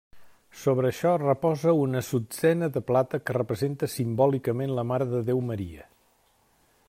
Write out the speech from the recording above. Sobre això reposa una assutzena de plata que representa simbòlicament la Mare de Déu Maria.